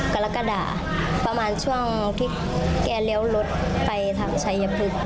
กรกฎาประมาณช่วงที่แกเลี้ยวรถไปทางชัยพฤกษ์